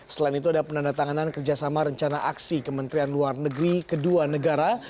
selain itu ada penandatanganan kerjasama rencana aksi kementerian luar negeri kedua negara